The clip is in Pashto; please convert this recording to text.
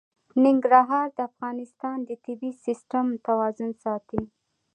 ننګرهار د افغانستان د طبعي سیسټم توازن ساتي.